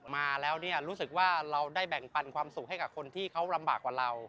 มาแล้วเนี่ยรู้สึกว่าเราได้แบ่งปันความสุขให้กับคนที่เขาลำบากกว่าเรา